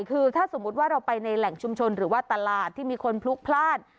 คือถ้าสมมุติว่าเราไปในแหล่งชุมชนหรือว่าตลาดที่มีคนพลุกพลาด